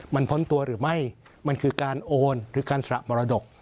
มันพ้นตัวหรือไม่มันคือการโอนหรือการสระมรดก